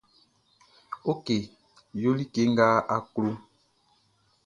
Ok yo like nʼga a klo.